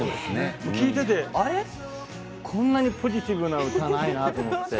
聴いていてこんなにポジティブな歌ないなと思って。